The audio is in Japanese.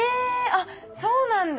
あっそうなんだ。